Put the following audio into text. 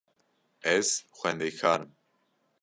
Ez xwendekarek im.